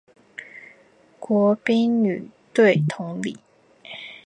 国乒女队同理。